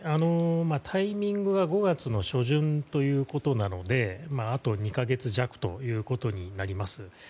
タイミングが５月初旬ということなのであと２か月弱ということになります。